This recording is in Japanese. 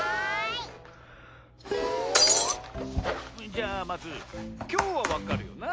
じゃあまずきょうはわかるよな？